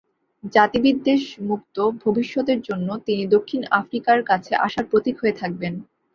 জাতিবিদ্বেষ মুক্ত ভবিষ্যতের জন্য তিনি দক্ষিণ আফ্রিকার কাছে আশার প্রতীক হয়ে থাকবেন।